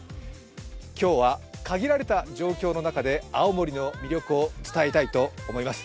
今日は限られた状況の中で青森の魅力を伝えたいと思います。